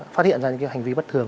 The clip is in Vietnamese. phát hiện ra những hành vi bất thường